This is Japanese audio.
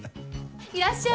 いらっしゃい。